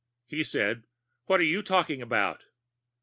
He said, "What are you talking about?"